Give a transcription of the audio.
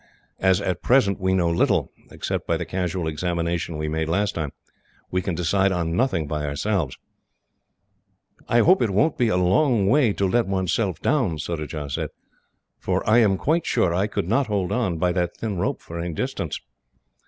As at present we know little, except by the casual examination we made last time, we can decide on nothing by ourselves." "I hope it won't be a long way to let oneself down," Surajah said, "for I am quite sure I could not hold on, by that thin rope, for any distance."